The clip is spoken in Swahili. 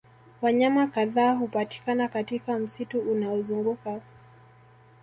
Wanyama kadhaa hupatikana katika msitu unaozunguka